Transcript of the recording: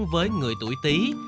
với người tuổi tí